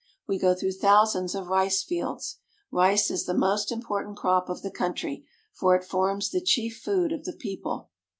We go through thousands of rice fields. Rice is the most important crop of the country, for it forms the chief food of the people.